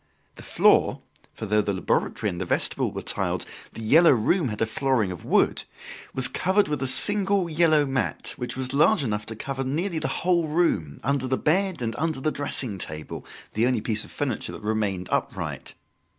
The floor for though the laboratory and the vestibule were tiled, "The Yellow Room" had a flooring of wood was covered with a single yellow mat which was large enough to cover nearly the whole room, under the bed and under the dressing table the only piece of furniture that remained upright.